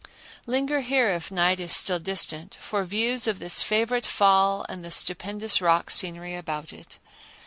Linger here if night is still distant, for views of this favorite fall and the stupendous rock scenery about it.